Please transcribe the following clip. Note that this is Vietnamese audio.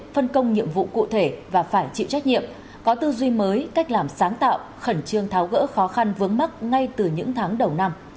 phân công nhiệm vụ cụ thể và phải chịu trách nhiệm có tư duy mới cách làm sáng tạo khẩn trương tháo gỡ khó khăn vướng mắt ngay từ những tháng đầu năm